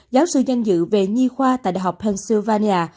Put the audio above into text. giáo sư danh dự về nhi khoa tại đại học hensilvania